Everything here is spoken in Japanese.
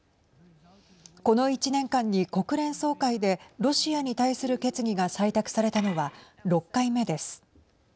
この１年間に国連総会でロシアに対する決議が採択されたのは６回目です。